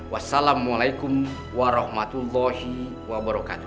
wassalamualaikum warahmatullahi wabarakatuh